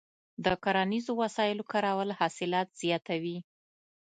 د کرنیزو وسایلو کارول حاصلات زیاتوي.